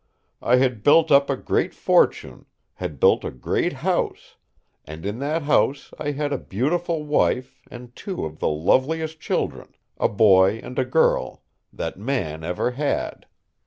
I had built up a great fortune, had built a great house, and in that house I had a beautiful wife and two of the loveliest children, a boy and a girl, that ever man had."